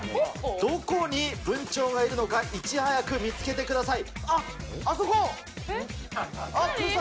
どこに文鳥がいるのか、いち早く見つけてください。